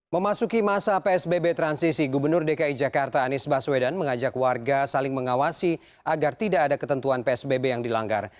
memasuki masa psbb transisi gubernur dki jakarta anies baswedan mengajak warga saling mengawasi agar tidak ada ketentuan psbb yang dilanggar